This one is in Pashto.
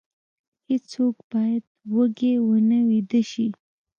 هیڅوک باید وږی ونه ویده شي.